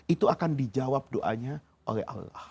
itu akan dijawab doanya oleh allah